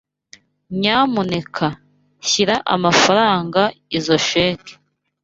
Nyamuneka shyira amafaranga izoi cheque.